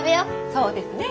そうですね